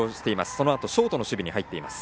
そのあとショートの守備に入っています。